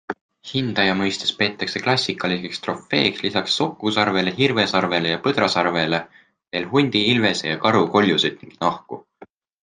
Hindaja mõistes peetakse klassikaliseks trofeeks lisaks sokusarvele, hirvesarvele ja põdrasarvele veel hundi, ilvese ja karu koljusid ning nahku.